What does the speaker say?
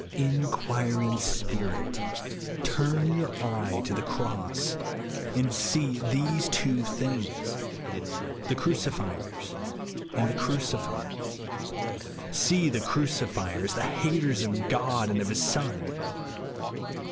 Inquiring spirit, turn your eye to the cross and see these two things, — the Cruci fiers and the Crucified. See the Cruci fiers, the haters of God and of his Son.